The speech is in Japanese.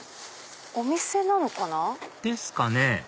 お店なのかな？ですかね？